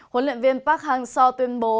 huấn luyện viên park hang seo tuyên bố